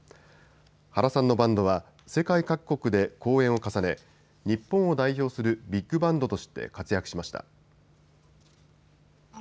原さんのバンドは世界各国で公演を重ね、日本を代表するビッグバンドとして活躍しました。